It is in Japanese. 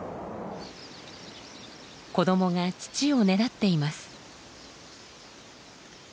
子どもが乳をねだっています。